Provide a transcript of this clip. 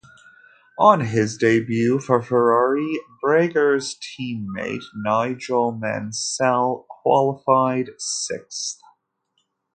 On his debut for Ferrari, Berger's teammate Nigel Mansell qualified sixth.